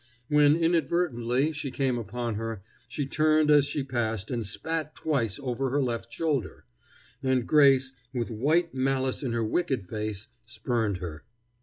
When inadvertently she came upon her, she turned as she passed and spat twice over her left shoulder. And Grace, with white malice in her wicked face, spurned her.